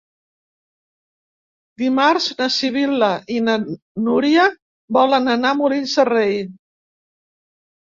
Dimarts na Sibil·la i na Núria volen anar a Molins de Rei.